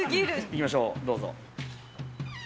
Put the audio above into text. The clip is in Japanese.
行きましょう、どうぞ。